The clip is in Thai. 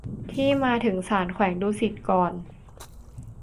ที่มาถึงศาลแขวงดุสิตก่อน